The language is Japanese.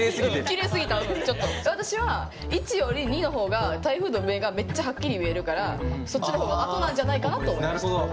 私は１より２の方が台風の目がめっちゃはっきり見えるからそっちの方が後なんじゃないかなと思いました。